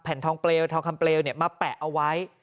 ทองเปลวทองคำเปลวมาแปะเอาไว้